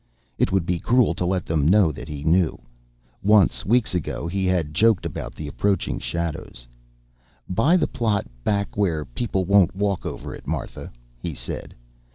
It would be cruel to let them know that he knew. Once, weeks ago, he had joked about the approaching shadows. "Buy the plot back where people won't walk over it, Martha," he said.